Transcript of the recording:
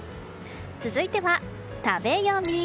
続いては、食べヨミ。